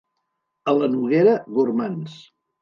A la Noguera, gormands.